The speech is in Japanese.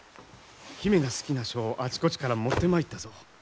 姫が好きな書をあちこちから持ってまいったぞ。